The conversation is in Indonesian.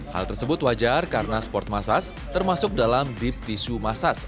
hal tersebut wajar karena sport massage termasuk dalam deep tissue massage